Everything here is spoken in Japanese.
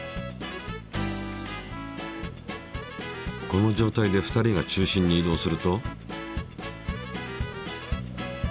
この状態で２人が中心に移動すると。